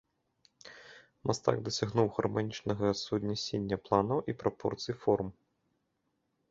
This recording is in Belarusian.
Мастак дасягнуў гарманічнага суаднясення планаў і прапорцый форм.